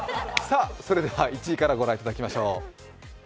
それでは１位からご覧いただきましょう。